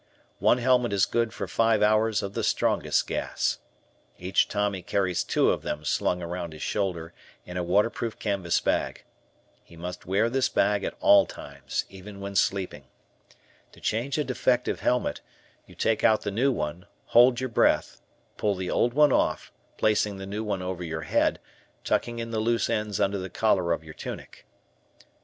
One helmet is good for five hours of the strongest gas. Each Tommy carries two of them slung around his shoulder in a waterproof canvas bag. He must wear this bag at all times, even while sleeping. To change a defective helmet, you take out the new one, hold your breath, pull the old one off, placing the new one over your head, tucking in the loose ends under the collar of your tunic.